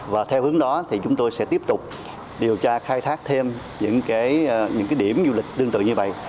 và theo hướng đó thì chúng tôi sẽ tiếp tục điều tra khai thác thêm những điểm du lịch tương tự như vậy